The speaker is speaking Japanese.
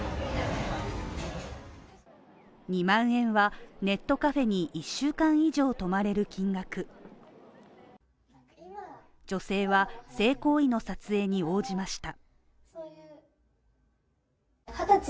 ２万円はネットカフェに１週間以上泊まれる金額女性は性行為の撮影に応じました。